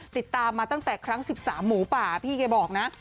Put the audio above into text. ติดตามมาตั้งแต่ครั้ง๑๓หมูป่าพี่แกบอกนะ